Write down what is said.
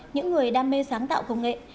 những người đam mê sáng tạo công nghệ